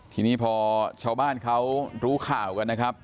ทีนี้พอชาวบ้านเขารู้ข่าวกันนะครับ